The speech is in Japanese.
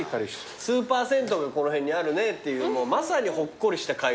スーパー銭湯がこの辺にあるねっていうまさにほっこりした会話してた。